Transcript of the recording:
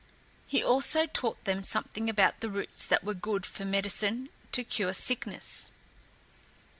He also taught them something about the roots that were good for medicine to cure sickness.